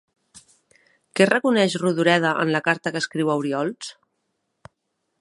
Què reconeix Rodoreda en la carta que escriu a Oriols?